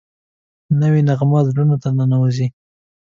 نوې نغمه زړونو ته ننوځي